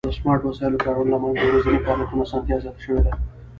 د سمارټ وسایلو د کارونې له امله د ورځني فعالیتونو آسانتیا زیاته شوې ده.